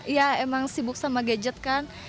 ya emang sibuk sama gadget kan